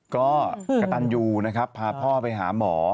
ก็กระตันยูนะครับพาพ่อไปหาหมอ